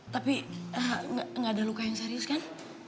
tapi nggak ada luka yang serius kan